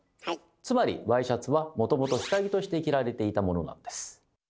つまりワイシャツはもともと下着として着られていたものなんです。